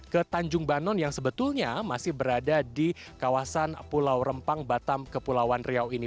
ke tanjung banon yang sebetulnya masih berada di kawasan pulau rempang batam kepulauan riau ini